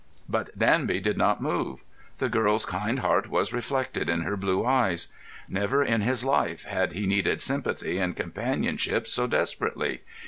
But Danby did not move. The girl's kind heart was reflected in her blue eyes. Never in his life had he needed sympathy and companionship so desperately.